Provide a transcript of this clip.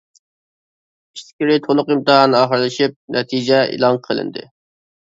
ئىچكىرى تۇلۇق ئىمتىھانى ئاخىرلىشىپ، نەتىجە ئېلان قىلىندى.